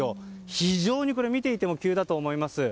非常に見ていても急だと思います。